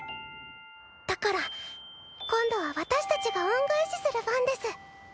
だから今度は私たちが恩返しする番です。